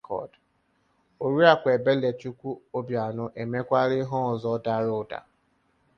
Oriakụ Ebelechukwu Obianọ emekwala ihe ọzọ dara ụda